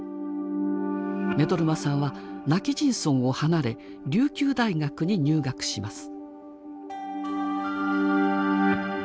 目取真さんは今帰仁村を離れ琉球大学に入学します。